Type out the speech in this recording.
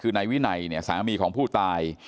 คือในวินัยสามีของผู้ตาย